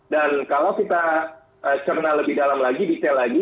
dan kalau kita cerna lebih dalam lagi detail lagi